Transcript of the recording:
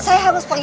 saya harus pergi